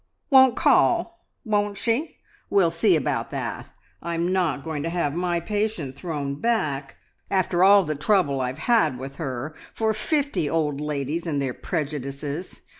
"Won't call, won't she? We'll see about that. I'm not going to have my patient thrown back, after all the trouble I've had with her, for fifty old ladies and their prejudices.